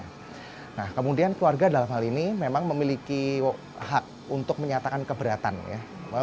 nah kemudian keluarga dalam hal ini memang memiliki hak untuk menyatakan keberatan ya